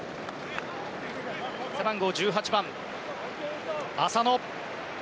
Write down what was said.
背番号１８番、浅野。